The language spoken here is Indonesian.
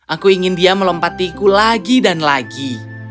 aku ingin dia melompatiku lagi dan lagi